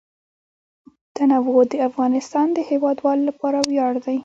تنوع د افغانستان د هیوادوالو لپاره ویاړ دی.